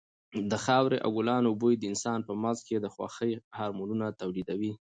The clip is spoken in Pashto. د خاورې او ګلانو بوی د انسان په مغز کې د خوښۍ هارمونونه تولیدوي.